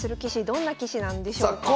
どんな棋士なんでしょうか。